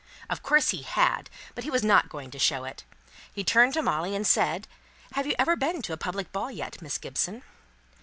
Of course he had, but he was not going to show it. He turned to Molly, and said, "Have you ever been to a public ball yet, Miss Gibson?"